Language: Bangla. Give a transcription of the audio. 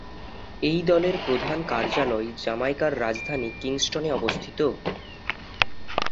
এই দলের প্রধান কার্যালয় জ্যামাইকার রাজধানী কিংস্টনে অবস্থিত।